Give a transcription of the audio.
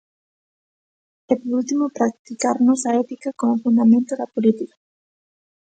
E por último, "practicarmos a ética como fundamento da política".